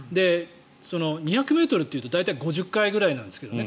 ２００ｍっていうと大体５０階くらいなんですけどね